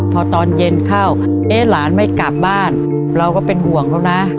พอตอนเย็นเข้าเอ๊ะหลานไม่กลับบ้านเราก็เป็นห่วงเขานะ